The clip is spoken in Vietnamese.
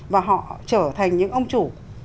và họ trở thành những ông chủ